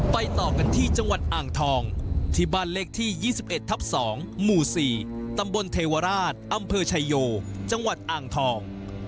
ต่อกันที่จังหวัดอ่างทองที่บ้านเลขที่๒๑ทับ๒หมู่๔ตำบลเทวราชอำเภอชายโยจังหวัดอ่างทอง